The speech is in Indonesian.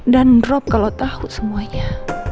dan drop kalau tau semuanya